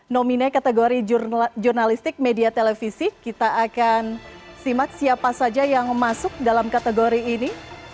nomine kategori jurnalistik media televisi kita akan simak siapa saja yang masuk dalam kategori ini